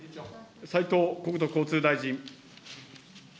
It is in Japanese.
斉藤国土交通大臣。